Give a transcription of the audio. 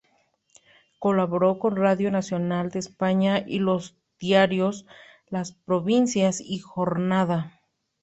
Colaboró con Radio Nacional de España y los diarios "Las Provincias" y "Jornada".